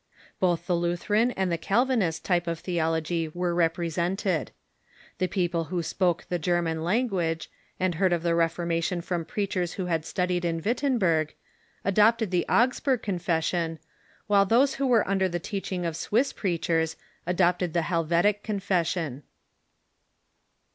Both the Lutheran and the Calvinist type of theology were represented. The people who spoke the German language, and heard of the Reforma tion from preachers who had studied in Wittenberg, adopted the Augsburg Confession, while those who were under the teaching of Swiss preachers adopted the Helvetic Confession.